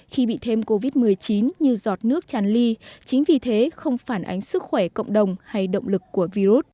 khi bị thêm covid một mươi chín như giọt nước tràn ly chính vì thế không phản ánh sức khỏe cộng đồng hay động lực của virus